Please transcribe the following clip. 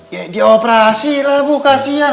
ya dioperasi lah bu kasian